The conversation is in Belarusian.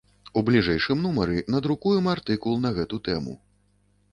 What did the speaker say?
У бліжэйшым нумары надрукуем артыкул на гэту тэму.